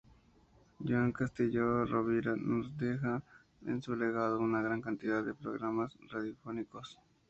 Joan Castelló Rovira nos deja en su legado una gran cantidad de programas radiofónicos.